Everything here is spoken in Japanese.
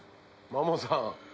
マモさん。